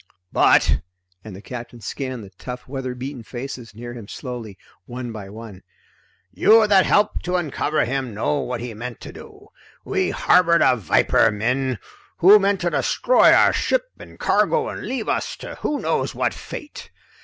But," and the Captain scanned the tough weather beaten faces near him slowly, one by one, "you that helped to uncover him know what he meant to do. We harbored a viper, men, who meant to destroy our ship and cargo and leave us to who knows what fate?